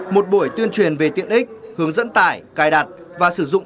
một buổi tuyên truyền về tiện ích hướng dẫn tải cài đặt và sử dụng